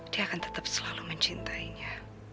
dia akan tetap selalu mencintainya